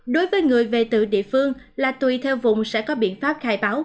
đối với người về từ địa phương là tùy theo vùng sẽ có biện pháp khai báo